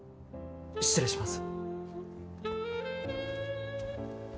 失礼します。